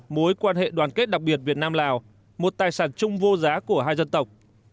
mối quan hệ đoàn kết đặc biệt việt nam lào một tài sản chung vô giá của hai dân tộc